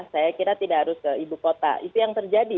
saya kira tidak harus ke ibu kota itu yang terjadi